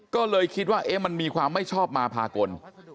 ก็เลยคิดว่ามันมีความไม่ชอบมาพากล